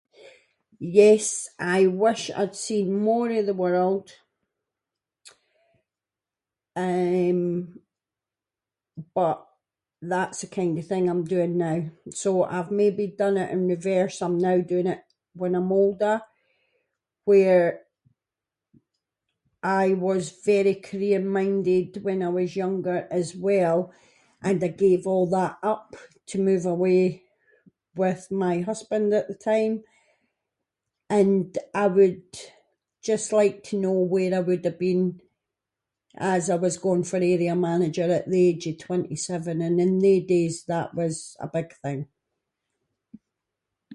Yes, I wish I’d seen more of the world, eh, but that’s the kind of thing I’m doing now, so I’ve maybe done it in reverse, I’m now doing it when I’m older, where I was very career minded when I was younger as well, and I gave all that up to move away with my husband at the time, and I would just like to know where I would've been, as I was going for area manager at the age of twenty-seven, and in they days that was a big thing.